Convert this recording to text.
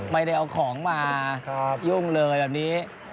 ไม่ได้เอาของมายุ่งเลยแบบนี้